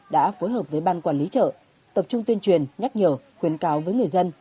đã phối hợp với ban quản lý chợ tập trung tuyên truyền nhắc nhở khuyến cáo với người dân